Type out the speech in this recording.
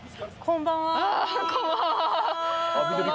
こんばんは。